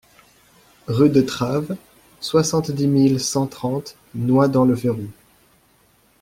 Rue de Traves, soixante-dix mille cent trente Noidans-le-Ferroux